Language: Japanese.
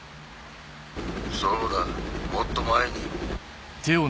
そうだもっと前に。